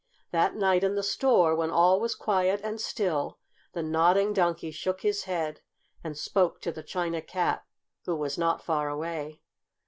That night in the store, when all was quiet and still, the Nodding Donkey shook his head and spoke to the China Cat, who was not far away.